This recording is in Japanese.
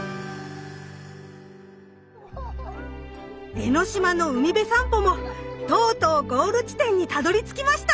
江の島の海辺さんぽもとうとうゴール地点にたどりつきました！